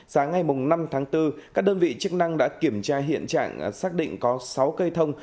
sáng ngày năm tháng bốn các đơn vị chức năng đã kiểm tra hiện trạng xác định có sáu cây thông